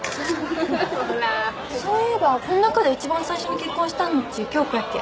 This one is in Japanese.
そういえばこん中で一番最初に結婚したのっち響子やっけ？